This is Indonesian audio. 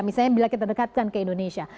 misalnya bila kita dekatkan ke indonesia